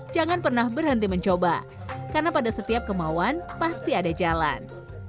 jangan pernah berhenti mencoba karena pada setiap kemauan pasti ada jalan